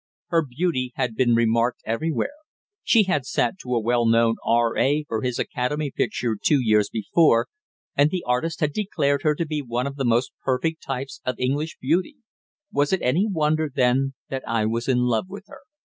Her beauty had been remarked everywhere. She had sat to a well known R.A. for his Academy picture two years before, and the artist had declared her to be one of the most perfect types of English beauty. Was it any wonder, then, that I was in love with her?